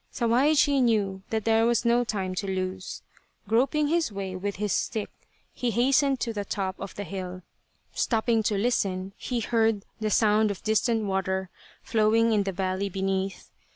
Sawaichi knew that there was no time to 170 Tsubosaka lose. Groping his way with his stick he hastened to the top of the hill. Stopping to listen, he heard the sound of distant water flowing in the valley beneath.